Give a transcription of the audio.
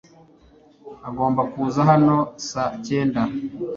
Agomba kuza hano saa cyenda.